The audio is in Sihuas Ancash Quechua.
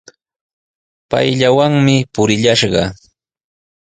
Payllawanmi purillashaq.